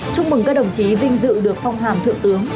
chúc mừng các đồng chí vinh dự được phong hàm thượng tướng